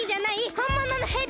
ほんもののヘビ！